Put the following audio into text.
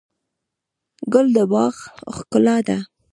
ګل د باغ ښکلا ده.